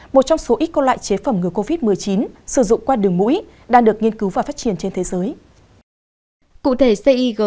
một trong số ít có loại chế phẩm ngừa covid một mươi chín sử dụng qua đường mũi đang được nghiên cứu và phát triển trên thế giới